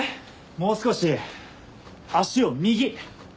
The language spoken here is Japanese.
もう少し足を右。